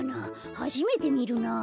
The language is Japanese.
はじめてみるなあ。